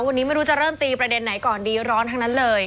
วันนี้ไม่รู้จะเริ่มตีประเด็นไหนก่อนดีร้อนทั้งนั้นเลย